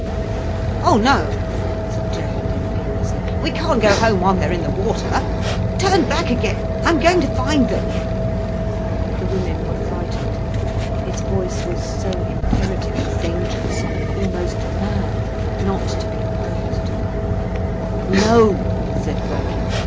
"Oh no!" said Gerald imperiously. "We can't go home while they're in the water. Turn back again, I'm going to find them." The women were frightened, his voice was so imperative and dangerous, almost mad, not to be opposed. "No!" said Birkin.